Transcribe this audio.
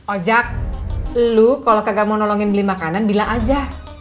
ojak lu kalau kagak mau nolongin beli makanan bilang aja